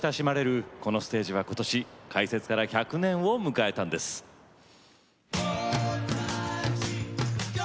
野音の愛称で親しまれるこのステージは今年、開設から１００年を迎えました。